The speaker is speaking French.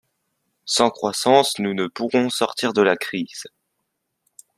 Sans croissance, nous ne pourrons sortir de la crise.